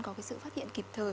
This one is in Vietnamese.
có cái sự phát hiện kịp thời